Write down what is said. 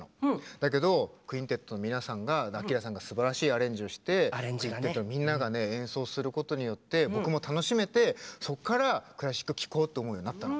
だけど「クインテット」の皆さんがアキラさんがすばらしいアレンジをして「クインテット」のみんながね演奏することによって僕も楽しめて、そっからクラシック聴こうって思うようになったの。